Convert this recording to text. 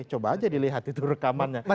coba aja dilihat itu rekamannya